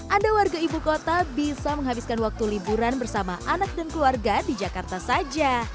anda warga ibu kota bisa menghabiskan waktu liburan bersama anak dan keluarga di jakarta saja